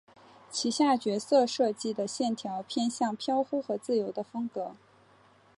旗下角色设计的线条偏向飘忽和自由的风格。